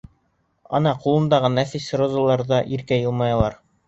Ана, ҡулымдағы нәфис розалар ҙа иркә йылмаялар.